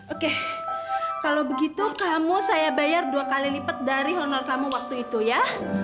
oke kalau begitu kamu saya bayar dua kali lipat dari honor kamu waktu itu ya